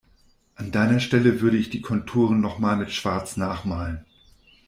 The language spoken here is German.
An deiner Stelle würde ich die Konturen noch mal mit Schwarz nachmalen.